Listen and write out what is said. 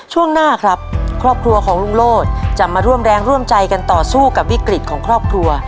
ช่วงหน้าครับครอบครัวของลุงโลศจะมาร่วมแรงร่วมใจกันต่อสู้กับวิกฤตของครอบครัว